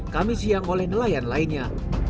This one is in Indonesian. kami siang oleh nelayan lainnya